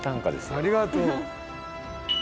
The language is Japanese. ありがとう。